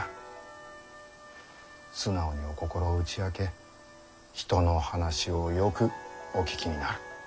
素直にお心を打ち明け人の話をよくお聞きになる。